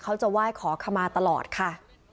เขาจะไหว้ขอขมาตลอดค่ะ